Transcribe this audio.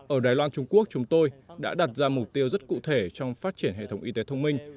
ở đài loan trung quốc chúng tôi đã đặt ra mục tiêu rất cụ thể trong phát triển hệ thống y tế thông minh